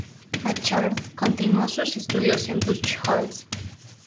Achard continuó sus estudios en Buchholz.